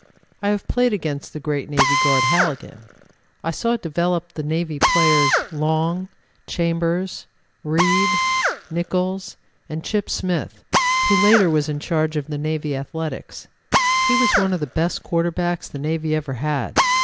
I have played against the great Navy guard Halligan. I saw developed the Navy players, Long, Chambers, Reed, Nichols and Chip Smith, who later was in charge of the Navy athletics. He was one of the best quarterbacks the Navy ever had.